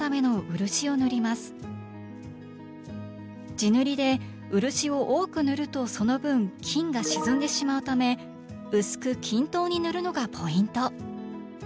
地塗りで漆を多く塗るとその分金が沈んでしまうため薄く均等に塗るのがポイント。